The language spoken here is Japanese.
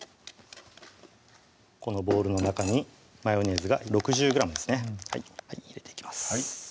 このボウルの中にマヨネーズが６０ｇですね入れていきます